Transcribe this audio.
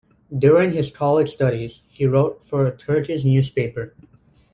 During his college studies, he wrote for a Turkish newspaper.